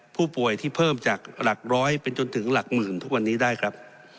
ผู้ป่วยที่เพิ่มจากหลักร้อยเป็นจนถึงหลักหมื่นทุกวันนี้ได้ครับ